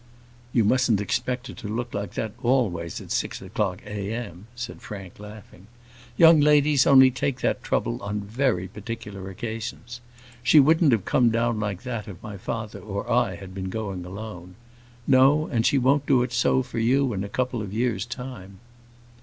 "You mustn't expect her to look like that always at six o'clock a.m.," said Frank, laughing. "Young ladies only take that trouble on very particular occasions. She wouldn't have come down like that if my father or I had been going alone. No, and she won't do so for you in a couple of years' time."